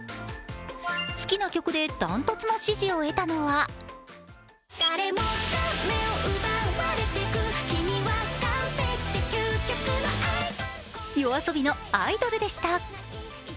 好きな曲で断トツの支持を得たのはＹＯＡＳＯＢＩの「アイドル」でした。